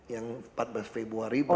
yang empat belas februari